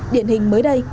điển hình mới đây